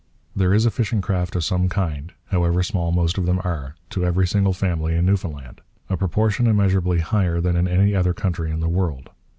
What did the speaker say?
There is a fishing craft of some kind, however small most of them are, to every single family in Newfoundland, a proportion immeasurably higher than in any other country in the world.